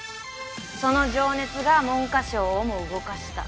その情熱が文科省をも動かした。